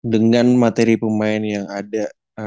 dengan materi pemain yang ada